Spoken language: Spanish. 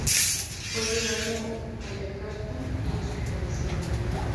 Fue llevado a Yakarta y hospitalizado.